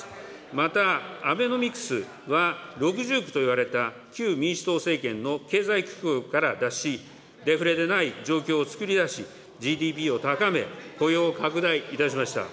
またアベノミクスは６０億といわれた旧民主党政権の経済危機から脱し、デフレでない状況をつくり出し、ＧＤＰを高め、雇用を拡大いたしました。